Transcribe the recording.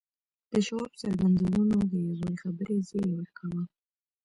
د شواب څرګندونو د یوې خبرې زیری ورکاوه